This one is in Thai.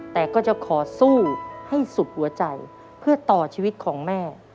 แต่ก็จะขอสู้ให้สุดหัวใจเพื่อต่อชีวิตของแม่